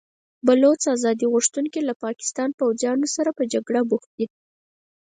بلوڅ ازادي غوښتونکي له پاکستاني پوځیانو سره په جګړه بوخت دي.